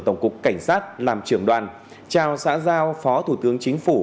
tổng cục cảnh sát làm trưởng đoàn trao xã giao phó thủ tướng chính phủ